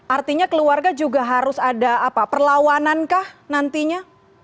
artinya keluarga juga harus ada apa perlawanankah nantinya